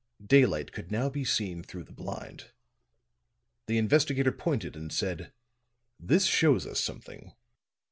Daylight could now be seen through the blind; the investigator pointed and said: "This shows us something.